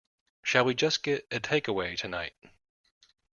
Shall we just get a takeaway tonight?